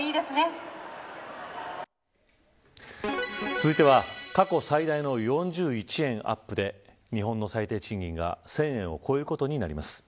続いては過去最大の４１円アップで日本の最低賃金が１０００円を超えることになります。